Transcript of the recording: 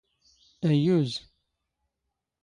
ⴰⵢⵢⵓⵣ!